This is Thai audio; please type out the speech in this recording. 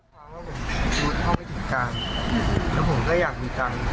รอบนั้นเขาแบ่งให้เจ้าเท่าไหร่ครับ